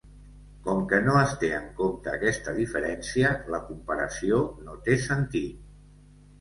Com que no es té en compte aquesta diferència, la comparació no té sentit.